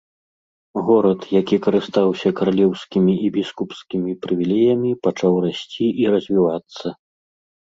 Горад, які карыстаўся каралеўскімі і біскупскімі прывілеямі, пачаў расці і развівацца.